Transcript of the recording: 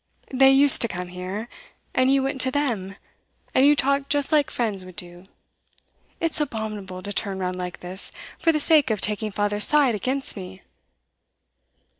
They used to come here, and you went to them; and you talked just like friends would do. It's abominable to turn round like this, for the sake of taking father's side against me!